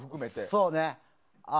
そうね。